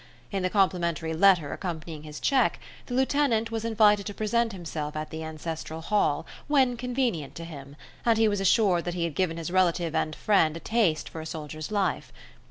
In the complimentary letter accompanying his cheque, the lieutenant was invited to present himself at the ancestral Hall, when convenient to him, and he was assured that he had given his relative and friend a taste for a soldier's life.